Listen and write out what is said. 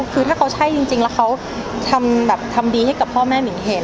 คือถ้าเขาใช่จริงแล้วเขาทำแบบทำดีให้กับพ่อแม่หมิ่งเห็น